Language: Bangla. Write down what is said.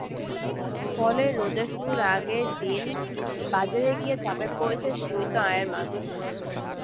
ফলে রোজা শুরুর আগের দিন বাজারে গিয়ে চাপে পড়েছে সীমিত আয়ের মানুষ।